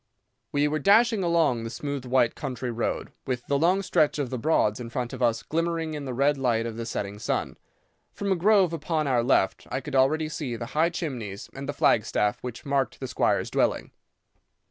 "We were dashing along the smooth white country road, with the long stretch of the Broads in front of us glimmering in the red light of the setting sun. From a grove upon our left I could already see the high chimneys and the flag staff which marked the squire's dwelling.